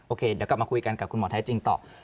เดี๋ยวกลับมาคุยกันกับคุณหมอแท้จริงต่อ